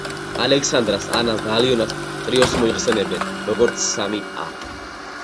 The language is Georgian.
ალექსანდრას, ანას და ალიონას ტრიოს მოიხსენიებენ, როგორც სამი ა.